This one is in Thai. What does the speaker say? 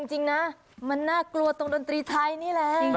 จริงนะมันน่ากลัวตรงดนตรีไทยนี่แหละ